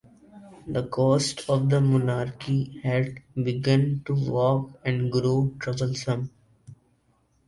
The ghost of the monarchy had begun to walk and grow troublesome.